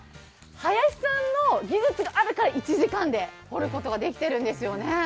林さんの技術があるから１時間で彫ることができているんですよね。